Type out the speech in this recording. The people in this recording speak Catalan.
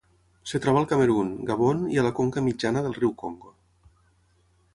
Es troba al Camerun, Gabon i a la conca mitjana del riu Congo.